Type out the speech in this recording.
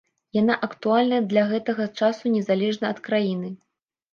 Яна актуальная для гэтага часу незалежна ад краіны.